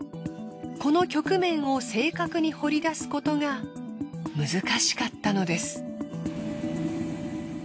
この曲面を正確に彫り出すことが難しかったのです。